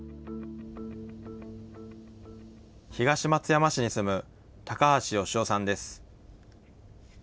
東松山市に住む高橋佳男さんです。